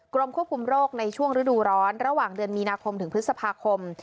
กรมควบคุมโรคในช่วงฤดูร้อนระหว่างเดือนมีนาคมถึงพฤษภาคม